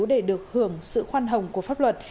để được hưởng sự khoan hồng của pháp luật